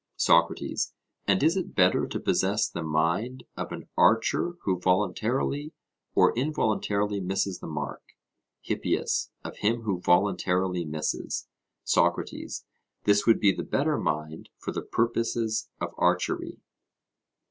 SOCRATES: And is it better to possess the mind of an archer who voluntarily or involuntarily misses the mark? HIPPIAS: Of him who voluntarily misses. SOCRATES: This would be the better mind for the purposes of archery?